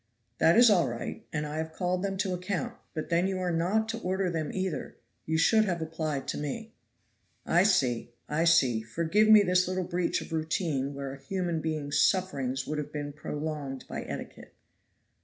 "That is all right, and I have called them to account, but then you are not to order them either; you should have applied to me." "I see, I see! Forgive me this little breach of routine where a human being's sufferings would have been prolonged by etiquette."